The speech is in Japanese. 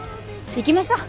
行きましょう！